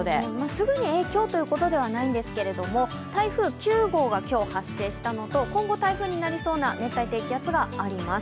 すぐに影響ということではないんですけれども、台風９号が今日発生したのと、今後台風になりそうな熱帯低気圧があります。